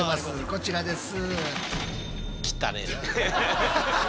こちらです。